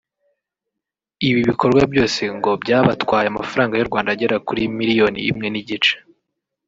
Ibi bikorwa byose ngo byabatwaye amafaranga y’u Rwanda agera kuri miliyoni imwe n’igice